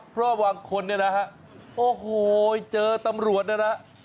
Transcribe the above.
เพราะบางคนเนี่ยนะฮะโอ้โหเจอตำรวจเนี่ยนะ